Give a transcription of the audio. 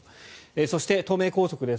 そして、東名高速です。